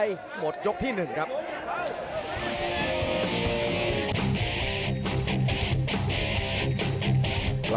ส่วนหน้านั้นอยู่ที่เลด้านะครับ